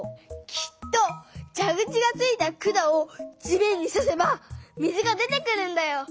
きっとじゃぐちがついた管を地面にさせば水が出てくるんだよ。